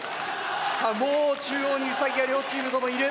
さあもう中央にウサギが両チームともいる。